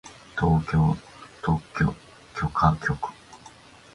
東京特許許可局